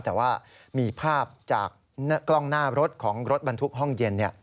แต่ว่ามีภาพจากกล้องหน้ารถของรถบรรทุกห้องเย็น